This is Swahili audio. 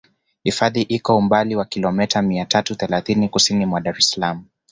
Hifadhi iko umbali wa kilometa mia tatu thelathini kusini mwa Dar es Salaam